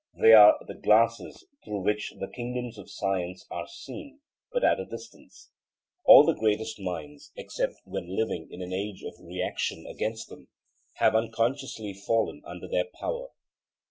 They are the glasses through which the kingdoms of science are seen, but at a distance. All the greatest minds, except when living in an age of reaction against them, have unconsciously fallen under their power.